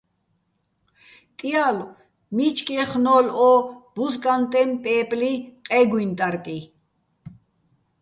ტიალო̆, მიჩკ ჲეხნო́ლო̆ ო ბუზკანტეჼ პე́პლი ყე́გუჲნი ტარკი.